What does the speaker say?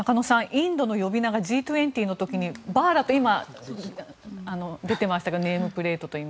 インドの呼び名がＧ２０の時にバーラトと出てましたがネームプレートが。